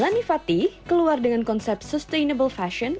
lani fatih keluar dengan konsep sustainable fashion